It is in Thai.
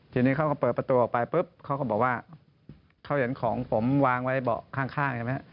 ทีนี้เขาก็เปิดประตูออกไปปุ๊บเขาก็บอกว่าเขาเห็นของผมวางไว้เบาะข้างใช่ไหม